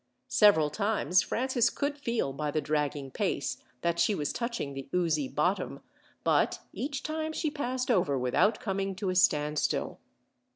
Several times Francis could feel, by the dragging pace, that she was touching the oozy bottom; but each time she passed over without coming to a standstill.